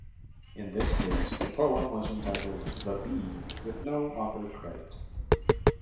In this case, the poem was entitled "The Bee" with no author credit.